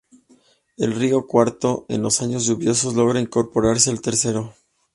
El río Cuarto, en los años lluviosos, logra incorporarse al Tercero.